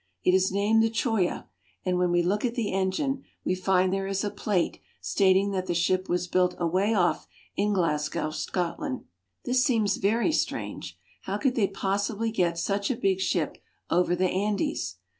It is named the Choya, and when we look at the engine we find there is a plate stating that the ship was built away off in Glasgow, Scotland. This seems very strange. How could they possibly get such a big ship over the Andes?